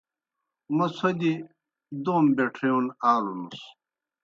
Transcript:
موْ څھوْدیْ دوم بَیٹھرِیون آلوْنُس۔